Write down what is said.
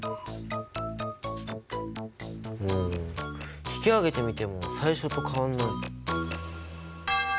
うん引き上げてみても最初と変わんない。